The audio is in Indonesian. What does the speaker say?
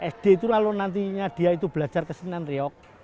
sd itu lalu nantinya dia itu belajar kesenian riok